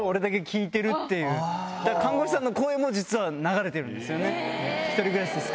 看護師さんの声も実は流れてるんですよね。